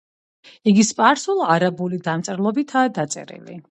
იგი სპარსულ-არაბული დამწერლობითაა დაწერილი.